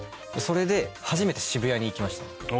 それで初めて渋谷に行きました。